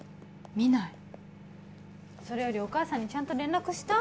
見ないそれよりお母さんにちゃんと連絡した？